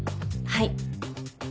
はい。